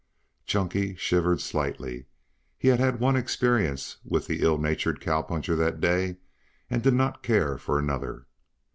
Chunky shivered slightly. He had had one experience with the ill natured cowpuncher that day and did not care for another.